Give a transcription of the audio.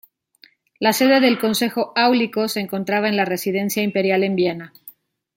La sede del Consejo Áulico se encontraba en la residencia imperial en Viena.